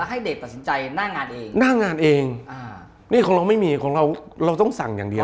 ให้เด็กตัดสินใจหน้างานเองหน้างานเองอ่านี่ของเราไม่มีของเราเราต้องสั่งอย่างเดียว